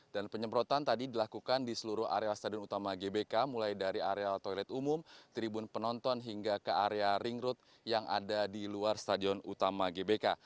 dan penyemprotan tadi dilakukan di seluruh area stadion utama gbk mulai dari area toilet umum tribun penonton hingga ke area ring road yang ada di luar stadion utama gbk